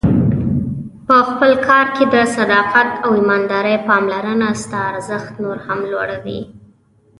په خپل کار کې د صداقت او ایماندارۍ پاملرنه ستا ارزښت نور هم لوړوي.